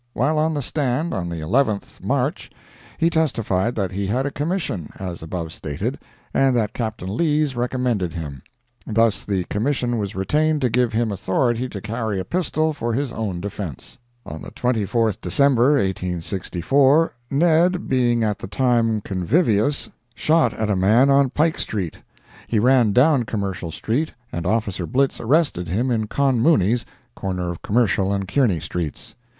While on the stand, on the 11th March, he testified that he had a commission, as above stated, and that Captain Lees recommended him; thus the commission was retained to give him authority to carry a pistol for his own defense. On the 24th December, 1864, Ned (being at the time convivious) shot at a man on Pike street; he ran down Commercial street, and officer Blitz arrested him in Con Mooney's, corner of Commercial and Kearny streets.